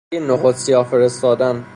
پی نخود سیاه فرستادن